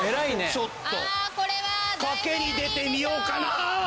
ちょっと賭けに出てみようかな！